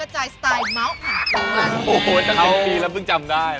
โอ้โหตั้ง๒ปีแล้วเพิ่งจำได้